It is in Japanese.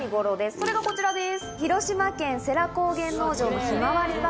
それがこちらです